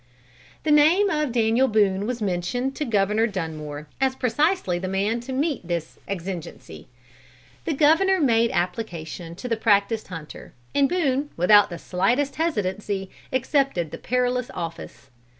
The name of Daniel Boone was mentioned to Governor Dunmore as precisely the man to meet this exigency. The Governor made application to the practiced hunter, and Boone, without the slightest hesitancy, accepted the perilous office.